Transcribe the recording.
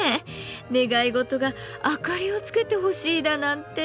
願い事があかりをつけてほしいだなんて。